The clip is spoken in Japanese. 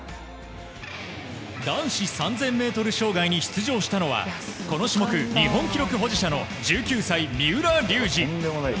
男子３０００ｍ障害に出場したのはこの種目、日本記録保持者の１９歳、三浦龍司。